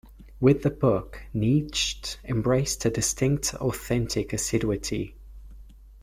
With the book, Nietzsche embraced a distinct aesthetic assiduity.